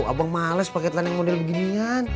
abang males pake celana yang model beginian